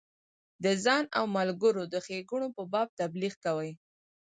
د ځان او ملګرو د ښیګڼو په باب تبلیغ کوي.